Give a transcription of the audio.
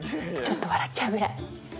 ちょっと笑っちゃうぐらい。